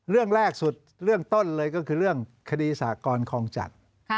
เรื่องแรกสุดเรื่องต้นเลยก็คือเรื่องคดีสากรคลองจัด